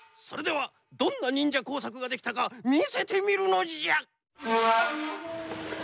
それではどんなにんじゃこうさくができたかみせてみるのじゃ！